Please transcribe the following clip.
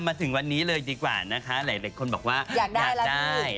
มาถึงวันนี้เลยดีกว่านะคะหลายคนบอกว่าอยากได้